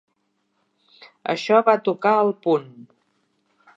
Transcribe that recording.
Això va tocar el punt.